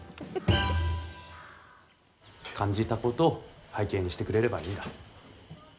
感じたことを背景にしてくれればいいんだ。